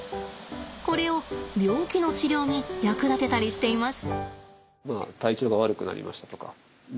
これを病気の治療に役立てたりしています。